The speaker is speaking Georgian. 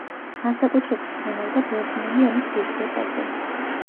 განსაკუთრებით ზრუნავდა ბერძნული ენის ღირსებაზე.